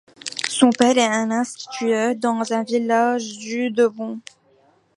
Son père est un instituteur dans un village du Devon.